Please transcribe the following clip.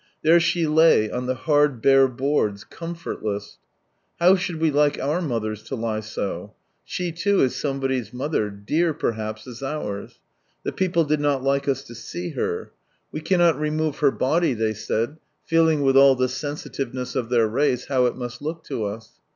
There she lay, on the hard bare boards, com/ortltss. How should we like our mothers to lie so? She, too, is somebody's mother, dear, perhaps, as ours. The people did not like us to see her. " We cannot remove her body," they said, feeling, with all the sensitiveness of their race, how it must look to us.